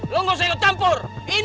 lo nggak usah ikut tempur